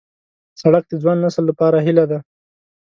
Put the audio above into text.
سړک د ځوان نسل لپاره هیله ده.